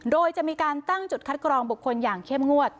โดยจะมีการตั้งจุดคัดกรองบุคคลอย่างเข้มงวด